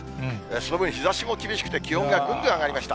その分、日ざしも厳しくて、気温がぐんぐん上がりました。